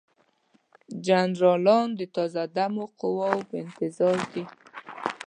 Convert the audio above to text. جنرالان د تازه دمه قواوو په انتظار دي.